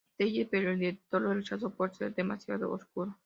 Teller, pero el editor lo rechazó por ser demasiado oscuro.